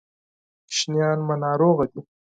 ماشومان مي ناروغه دي ..